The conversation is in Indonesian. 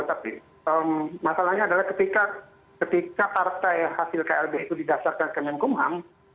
tapi masalahnya adalah ketika partai hasil klb itu didasarkan ke menkumham